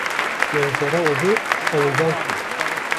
Menzera odê hewilnak bû.